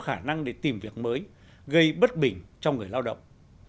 khả năng để tìm việc mới gây bất bình cho người lao động